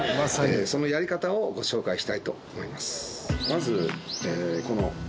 そのやり方をご紹介したいと思います。